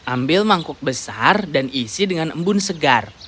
ambil mangkuk besar dan isi dengan embun segar